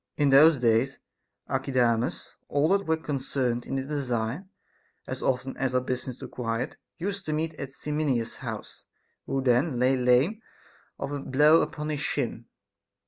2. Caph. In those days, Archidamus, all that were con cerned in the design, as often as our business required, used to meet at Simmias's house, who then lay lame of a blow upon his shin.